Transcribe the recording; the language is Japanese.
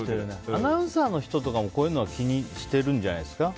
アナウンサーの人とかもこういうのを気にしてるんじゃないですか？